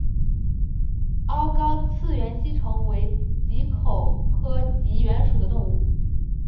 凹睾棘缘吸虫为棘口科棘缘属的动物。